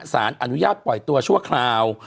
สารอนุญาตปล่อยตัวชั่วคราว